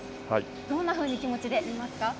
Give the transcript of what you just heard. どんなふうな気持ちでいますか。